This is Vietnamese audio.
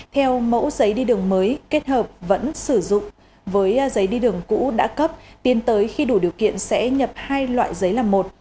theo mẫu giấy đi đường mới kết hợp vẫn sử dụng với giấy đi đường cũ đã cấp tiến tới khi đủ điều kiện sẽ nhập hai loại giấy làm một